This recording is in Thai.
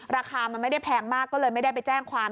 ราคามันไม่ได้แพงมากก็เลยไม่ได้ไปแจ้งความ